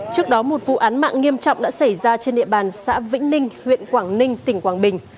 trước đó một vụ án mạng nghiêm trọng đã xảy ra trên địa bàn xã vĩnh ninh huyện quảng ninh tỉnh quảng bình